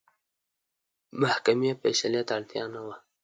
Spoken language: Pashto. محکمې فیصلې ته اړتیا نه وه.